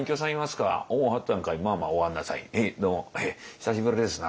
久しぶりですな」。